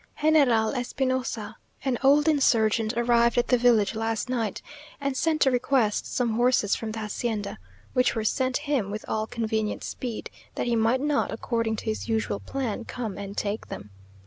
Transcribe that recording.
General Espinosa, an old insurgent, arrived at the village last night, and sent to request some horses from the hacienda, which were sent him with all convenient speed, that he might not, according to his usual plan, come and take them.